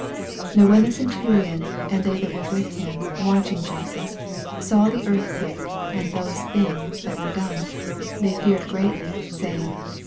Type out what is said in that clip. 54 Now when the centurion, and they that were with him, watching Jesus, saw the earthquake, and those things that were done, they feared freatly, saving.